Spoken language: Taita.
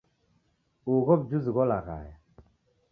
Ugho w'ujuzi gholaghaya.